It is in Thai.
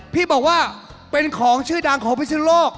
พี่บอกว่าเป็นของชื่อดังของพิศนุโลก